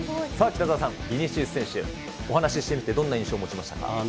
北澤さん、ビニシウス選手、お話ししてみて、どんな印象を持ちましたか？